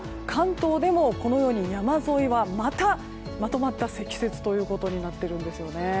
関東でもこのように山沿いではまとまった積雪になっているんですね。